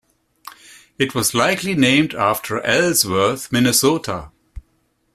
It was likely named after Ellsworth, Minnesota.